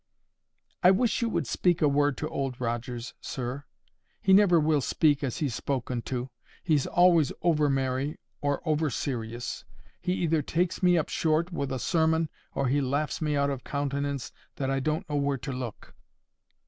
"I wish you would speak a word to Old Rogers, sir. He never will speak as he's spoken to. He's always over merry, or over serious. He either takes me up short with a sermon, or he laughs me out of countenance that I don't know where to look."